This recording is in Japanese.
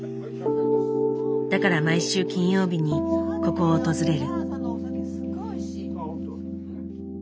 だから毎週金曜日にここを訪れる。